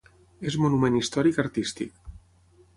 És Monument Històric Artístic.